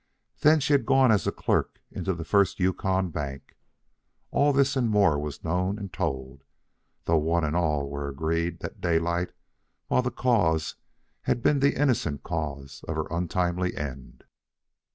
Then she had gone as a clerk into the First Yukon Bank. All this, and more, was known and told, though one and all were agreed that Daylight, while the cause, had been the innocent cause of her untimely end.